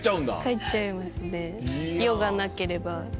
帰っちゃいますね用がなければ。